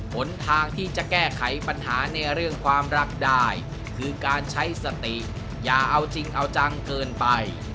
หนทางที่จะแก้ไขปัญหาในเรื่องความรักได้คือการใช้สติอย่าเอาจริงเอาจังเกินไป